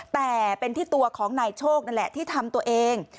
แต่เป็นที่ตัวของนายโชคนั่นแหละที่ทำตัวเอง